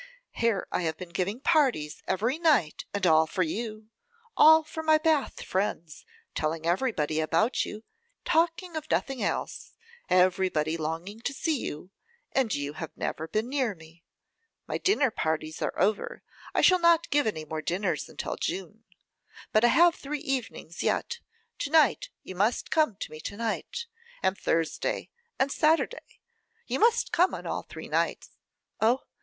Here have I been giving parties every night, and all for you; all for my Bath friends; telling everybody about you; talking of nothing else; everybody longing to see you; and you have never been near me. My dinner parties are over; I shall not give any more dinners until June. But I have three evenings yet; to night, you must come to me to night, and Thursday, and Saturday; you must come on all three nights. Oh!